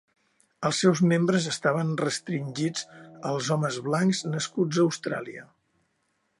Els seus membres estaven restringits als homes blancs nascuts a Austràlia.